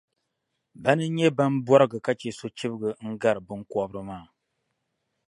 Bana n-nyɛ ban bɔrgi ka chɛ sochibga n-gari biŋkobri maa.